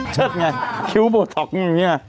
เชิดไงคิ้วโบท็อกมึงอย่างนี้